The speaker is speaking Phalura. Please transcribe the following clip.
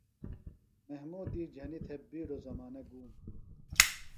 محمودی جھنیۡ تھےۡ بِیڈوۡ زمانہ گُوم۔